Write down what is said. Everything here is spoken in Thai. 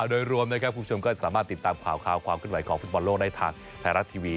โดยรวมนะครับคุณผู้ชมก็สามารถติดตามข่าวความขึ้นไหวของฟุตบอลโลกได้ทางไทยรัฐทีวี